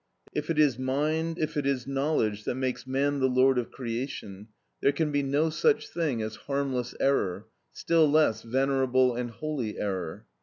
If it is mind, if it is knowledge, that makes man the lord of creation, there can be no such thing as harmless error, still less venerable and holy error.